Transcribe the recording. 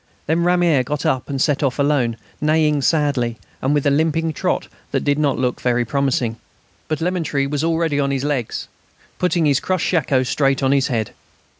Then "Ramier" got up and set off alone, neighing sadly, and with a limping trot that did not look very promising. But Lemaître was already on his legs, putting his crushed shako straight on his head.